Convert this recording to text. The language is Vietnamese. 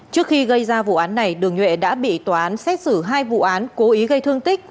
trước khi gây ra vụ án này đường nhuệ đã bị tòa án xét xử hai vụ án cố ý gây thương tích